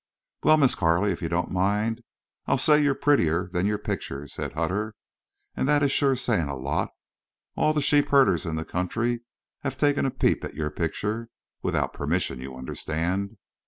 "Well, Miss Carley, if you don't mind, I'll say you're prettier than your picture," said Hutter. "An' that is shore sayin' a lot. All the sheep herders in the country have taken a peep at your picture. Without permission, you understand."